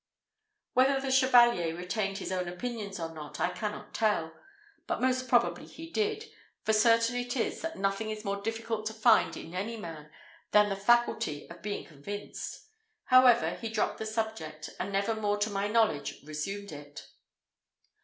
Whether the Chevalier retained his own opinions or not I cannot tell; but most probably he did, for certain it is, that nothing is more difficult to find in any man, than the faculty of being convinced. However, he dropped the subject, and never more to my knowledge, resumed it.